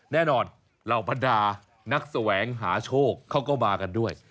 เหล่าบรรดานักแสวงหาโชคเขาก็มากันด้วย